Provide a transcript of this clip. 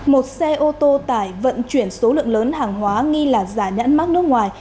một xe ô tô tải vận chuyển số lượng lớn hàng hóa nghi là giả nhãn mát nước ngoài